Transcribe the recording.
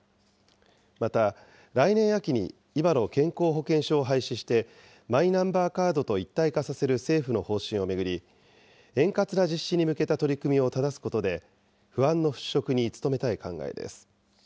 また、来年秋に今の健康保険証を廃止して、マイナンバーカードと一体化させる政府の方針を巡り、円滑な実施に向けた取り組みをただすことで、不安の払拭に努めたい考えです。